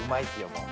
もう。